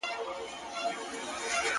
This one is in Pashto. یار له جهان سره سیالي کوومه ښه کوومه,